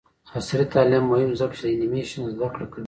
عصري تعلیم مهم دی ځکه چې د انیمیشن زدکړه کوي.